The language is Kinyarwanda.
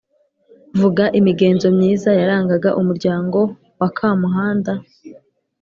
Vuga imigenzo myiza yarangaga umuryango wa Kamuhanda?